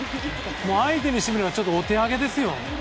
相手にしてみればお手上げですよ。